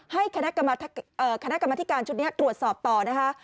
ให้คณะกรรมธิการชุดนี้ตรวจสอบต่อนะคะ